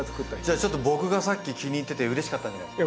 じゃあ僕がさっき気に入っててうれしかったんじゃないですか？